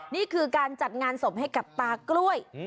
นี่คือการจัดงานศพให้กับตากล้วย